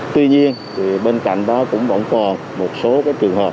tuy nhiên bên cạnh đó cũng vẫn còn một số trường hợp